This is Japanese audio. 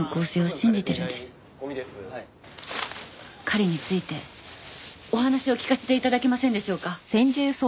彼についてお話を聞かせて頂けませんでしょうか？